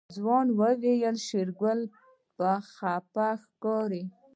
ځوان وويل شېرګل خپه ښکاري.